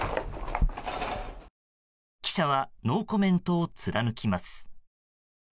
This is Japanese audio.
記者はノーコメントを貫きます。